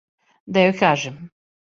Да јој кажем.